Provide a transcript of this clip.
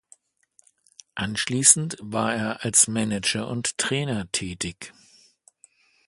Anschließend war er als Manager und Trainer tätig.